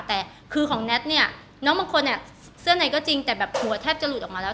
แต่คือของแน็ตเนี่ยน้องบางคนเนี่ยเสื้อในก็จริงแต่แบบหัวแทบจะหลุดออกมาแล้ว